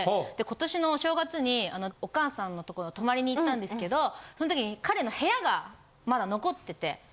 今年のお正月にお義母さんの所泊まりに行ったんですけどそん時に彼の部屋がまだ残ってて。